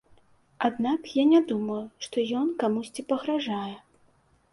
Аднак, я не думаю, што ён камусьці пагражае.